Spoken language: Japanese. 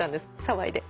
騒いで。